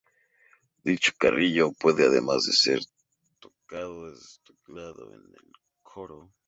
Dicho carillón puede, además, ser tocado desde un teclado en el coro.